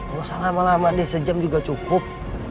nggak usah lama lama deh sejam juga cukup